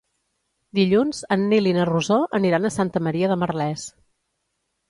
Dilluns en Nil i na Rosó aniran a Santa Maria de Merlès.